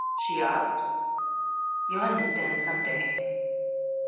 she asked. "You'll understand some day."